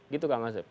gitu kak masyid